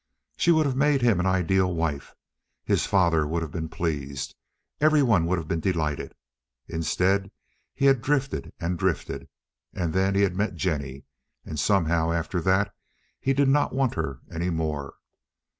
She would have made him an ideal wife, his father would have been pleased, everybody would have been delighted. Instead he had drifted and drifted, and then he had met Jennie; and somehow, after that, he did not want her any more.